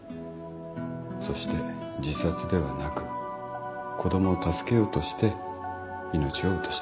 そして自殺ではなく子供を助けようとして命を落とした。